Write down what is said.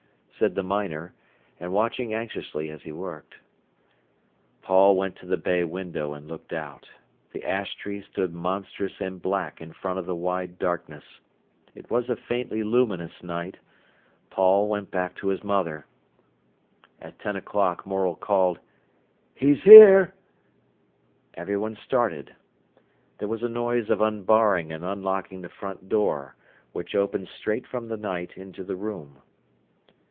said the miner, and watching anxiously as he worked. Paul went to the bay window and looked out. The ash tree stood monstrous and black in front of the wide darkness. It was a faintly luminous night. Paul went back to his mother. At ten o'clock Morel called: "He's here!" Everyone started. There was a noise of unbarring and unlocking the front door, which opened straight from the night into the room.